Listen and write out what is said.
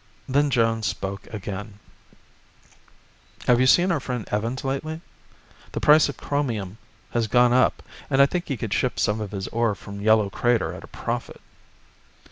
Then Jones spoke again: "Have you seen our friend Evans lately? The price of chromium has gone up, and I think he could ship some of his ore from Yellow Crater at a profit."